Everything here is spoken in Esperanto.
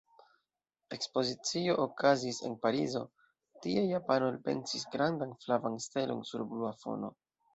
Ekspozicio okazis en Parizo: tie japano elpensis grandan flavan stelon sur blua fono.